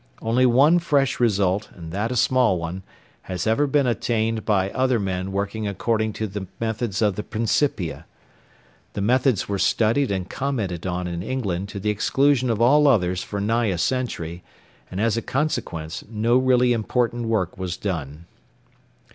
Only one fresh result, and that a small one, has ever been attained by other men working according to the methods of the Principia. The methods were studied and commented on in England to the exclusion of all others for nigh a century, and as a consequence no really important work was done.